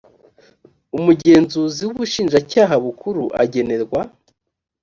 umugenzuzi w ubushinjacyaha bukuru agenerwa